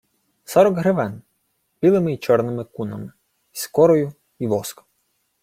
— Сорок гривен. Білими й чорними кунами. Й скорою, й воском.